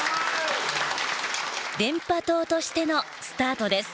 電波塔としてのスタートです。